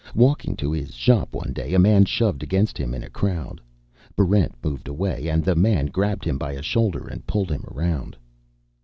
Walking to his shop one day, a man shoved against him in a crowd. Barrent moved away, and the man grabbed him by a shoulder and pulled him around.